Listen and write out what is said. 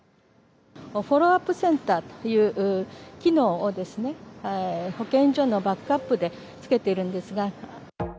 フォローアップセンターという機能を、保健所のバックアップでつけているんですが。